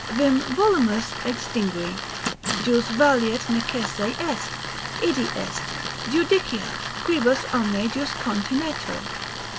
Vim volumus extingui. Jus valeat necesse est, idi est, judicia, quibus omne jus continetur.